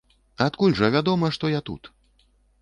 Адкуль жа вядома, што я тут?